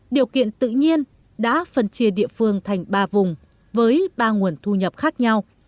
điều kiện tự nhiên đã phân chia địa phương thành ba vùng với ba nguồn thu nhập khác nhau